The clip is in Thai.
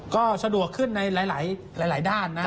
ก็สะดวกขึ้นในหลายด้านนะ